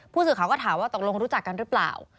ผู้สื่อข่าวก็ถามว่าตกลงรู้จักกันหรือเปล่า